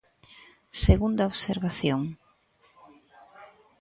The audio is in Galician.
Segunda observación.